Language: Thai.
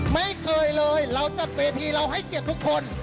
ไม่เคยเลยเราจัดเวทีเราให้เกียรติทุกคน